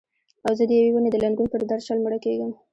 او زه د یوې ونې د لنګون پر درشل مړه کیږم